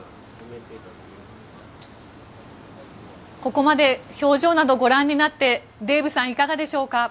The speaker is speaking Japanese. ここまで、表情などご覧になってデーブさん、いかがでしょうか。